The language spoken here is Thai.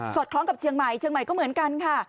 คล้องกับเชียงใหม่เชียงใหม่ก็เหมือนกันค่ะ